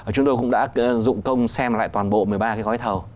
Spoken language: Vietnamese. chúng tôi cũng đã dụng công xem lại toàn bộ một mươi ba cái gói thầu